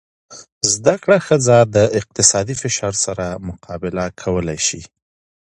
زده کړه ښځه د اقتصادي فشار سره مقابله کولی شي.